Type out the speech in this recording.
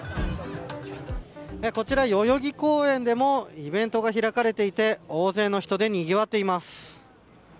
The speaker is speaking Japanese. こちら代々木公園でもイベントが開かれていて大勢の人でにぎわっています。